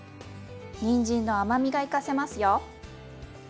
にんじんの甘みが生かせますよ。